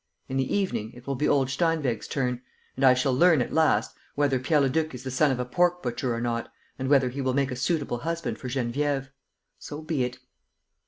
In the evening, it will be old Steinweg's turn; and I shall learn, at last, whether Pierre Leduc is the son of a pork butcher or not and whether he will make a suitable husband for Geneviève. So be it!"